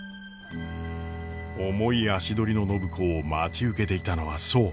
重い足取りの暢子を待ち受けていたのはそう！